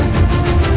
tapi musuh aku bobby